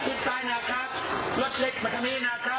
เสียงของทางหลวงบอกตรง